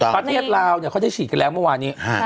ประเทศลาวเขาได้ฉีดกันแล้วเมื่อวานนี้